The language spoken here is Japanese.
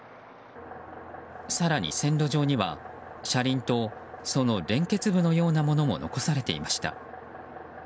更に、線路上には車輪とその連結部のようなものも残されていました。